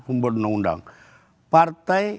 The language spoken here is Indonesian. pembuat undang undang partai